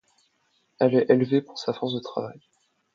Elle est élevée pour sa force de travail.